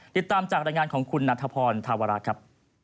ติดตามจากรายงานของคุณนัทพรธาวระครับ